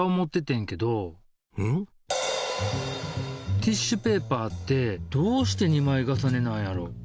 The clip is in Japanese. ティッシュペーパーってどうして２枚重ねなんやろ？